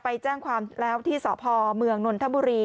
ไปแจ้งความแล้วที่สพเมืองนนทบุรี